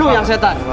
lo yang setan